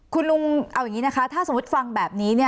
คุณลุงเอาอย่างนี้นะคะถ้าสมมุติฟังแบบนี้เนี่ย